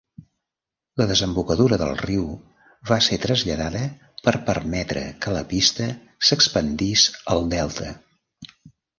La desembocadura del riu va ser traslladada per permetre que la pista s'expandís al delta.